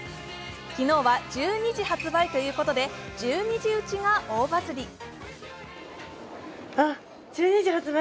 昨日は１２時発売ということで、１２時打ちが大バズり。